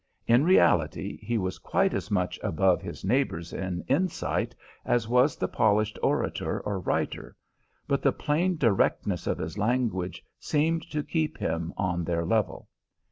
In reality, he was quite as much above his neighbours in insight as was the polished orator or writer, but the plain directness of his language seemed to keep him on their level.